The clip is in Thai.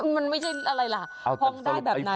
มันไม่ใช่อะไรล่ะพองได้แบบนั้น